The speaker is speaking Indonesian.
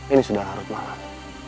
ini sudah larut malam